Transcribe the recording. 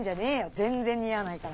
全然似合わないから。